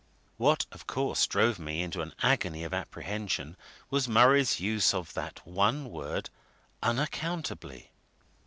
What, of course, drove me into an agony of apprehension was Murray's use of that one word "unaccountably."